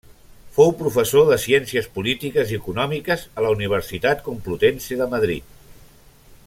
Fou professor de Ciències Polítiques i Econòmiques a la Universitat Complutense de Madrid.